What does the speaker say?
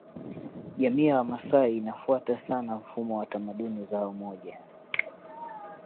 Jamii ya Wamasai inafuata sana mfumo wa tamaduni zao moja